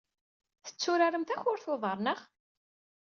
Tetturarem takurt n uḍar, naɣ?